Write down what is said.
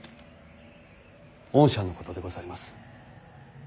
恩赦のことでございます。